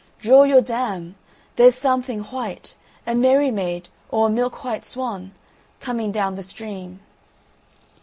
draw your dam. There's something white a merry maid or a milk white swan coming down the stream."